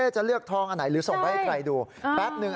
จะเลือกทองอันไหนหรือส่งไปให้ใครดูแป๊บนึง